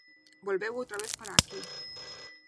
Volveu outra vez para aquí.